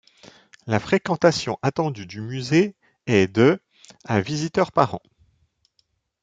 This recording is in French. La fréquentation attendue du musée est de à visiteurs par an.